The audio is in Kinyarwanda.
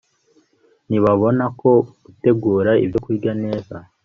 ntibabona ko gutegura ibyokurya neza